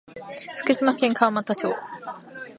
福島県川俣町